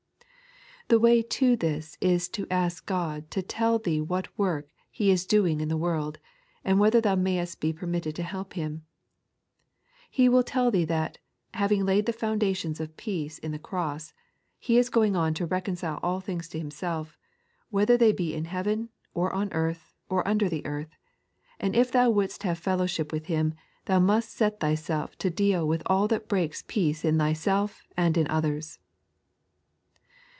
The way to this is to ask God to tell thee what work He is doing in the world, and whether thou mayest be per mitted to help Him. He will tell tbee that, having laid the foundations of peace in the Crosa, He is going on to reconcile all things to Himself, whether they be in heaven, or on earth, or under the earth; and if thou wouldst have fellowship with Him, thou must set thyself to deal with all that breaks peace in thyself and in others.